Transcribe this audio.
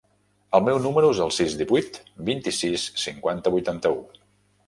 El meu número es el sis, divuit, vint-i-sis, cinquanta, vuitanta-u.